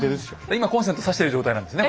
今コンセントさしてる状態なんですね